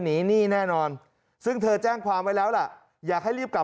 หนี้แน่นอนซึ่งเธอแจ้งความไว้แล้วล่ะอยากให้รีบกลับ